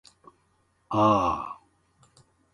ぁー